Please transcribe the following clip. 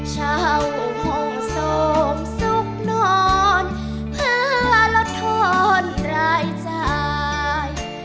เช่าห้องโสมสุขนอนเพื่อลดทอนรายจ่าย